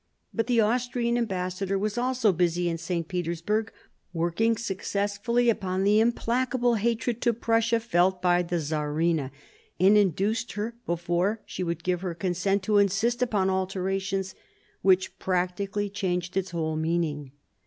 But the Austrian ambassador was also busy in St. Petersburg, working successfully upon / f 118 MARIA THERESA ohap. vi the implacable hatred to Prussia felt by the Czarina; and induced her, before she would give her consent, to insist upon alterations which practically changed its whole meaning.